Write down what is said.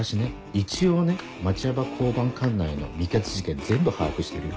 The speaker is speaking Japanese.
一応ね町山交番管内の未決事件全部把握してるよ。